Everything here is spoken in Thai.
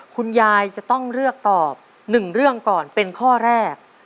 คุณยายจะต้องเลือกตอบ๑เรื่องก่อนเป็นข้อแรก